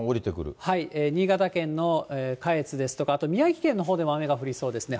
新潟県の下越ですとか、あと宮城県のほうでも雨が降りそうですね。